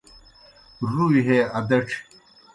رُوئی ہے ادڇھیْ